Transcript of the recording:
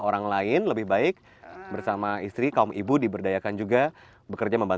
dan aneka makanan ringan